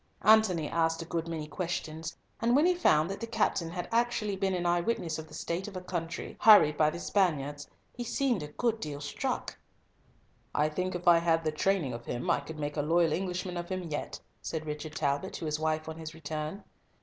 Antony asked a good many questions, and when he found that the captain had actually been an eye witness of the state of a country harried by the Spaniards, he seemed a good deal struck. "I think if I had the training of him I could make a loyal Englishman of him yet," said Richard Talbot to his wife on his return.